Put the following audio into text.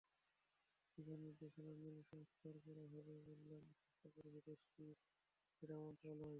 ফিফার নির্দেশনা মেনে সংস্কার করা হবে বলেও আশ্বস্ত করেছে দেশটির ক্রীড়া মন্ত্রণালয়।